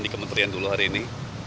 di kementerian dulu hari ini